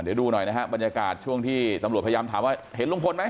เดี๋ยวดูหน่อยนะฮะบรรยากาศช่วงที่ตำรวจพยายามถามว่าเห็นลุงพลไหม